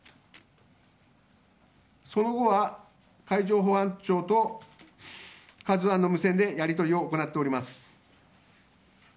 その後は海上保安庁と「ＫＡＺＵ１」の無線でやり取りを行っております。